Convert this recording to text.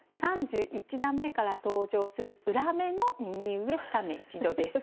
３１段めから登場する裏目の「右上２目一度」です。